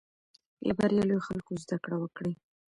له بریالیو خلکو زده کړه وکړئ.